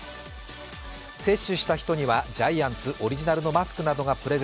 接種した人にはジャイアンツオリジナル不織布マスクなどのプレゼ